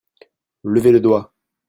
Levez le doigt !